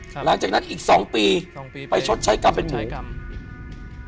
หลังจากนั้นอีก๒ปีไปชดใช้กรรมเป็นหมู